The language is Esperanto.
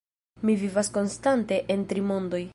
Mi vivas konstante en tri mondoj.